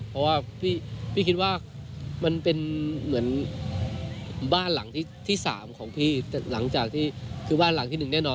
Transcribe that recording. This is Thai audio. เพราะว่าพี่คิดว่ามันเป็นเหมือนบ้านหลังที่๓ของพี่แต่หลังจากที่คือบ้านหลังที่หนึ่งแน่นอน